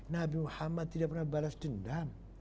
nabi muhammad tidak pernah balas dendam